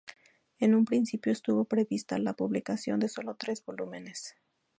En un principio estuvo prevista la publicación de sólo tres volúmenes.